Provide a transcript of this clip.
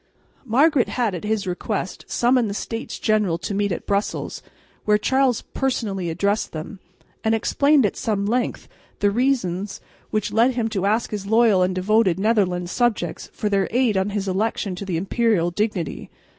Margaret had at his request summoned the States General to meet at Brussels, where Charles personally addressed them, and explained at some length the reasons which led him to ask his loyal and devoted Netherland subjects for their aid on his election to the imperial dignity.